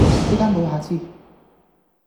呢間無下次!